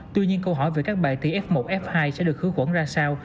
tuy nhiên câu hỏi về các bài thi f một f hai sẽ được hứa quẩn ra sao